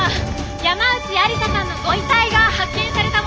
山内愛理沙さんのご遺体が発見されたもようです。